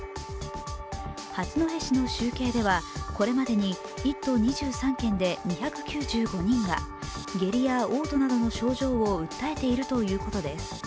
八戸市の集計ではこれまでに１都２３県で２９５人が下痢やおう吐などの症状を訴えているということです。